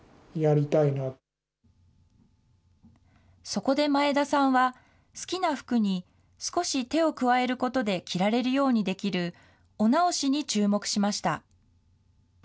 そこで前田さんは、好きな服に少し手を加えることで着られるようにできるお直しに注目しました。